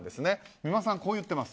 美馬さん、こう言ってます。